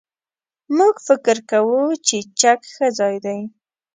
موږ فکر کوو چې چک ښه ځای دی.